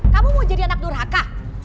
kamu mau jadi anak durhaka